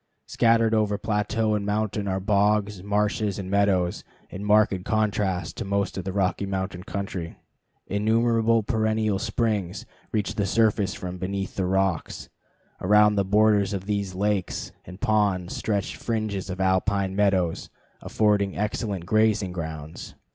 Scattered over plateau and mountain are bogs, marshes, and meadows in marked contrast to most of the Rocky Mountain country. Innumerable perennial springs reach the surface from beneath the rocks. Around the borders of these lakes and ponds stretch fringes of alpine meadows, affording excellent grazing grounds.